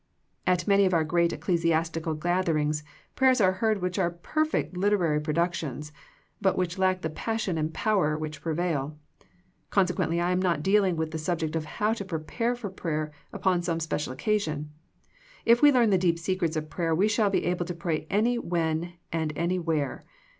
At many of our great ecclesiastical gatherings, prayers are heard which are perfect literary pro ductions, but which lack the passion and power which prevail. Consequently I am not dealing with the subject of how to prepare for prayer upon some special occasion. _If we learn the deep secrets of prayer we shall be able to pray ?inywhen and anywhere.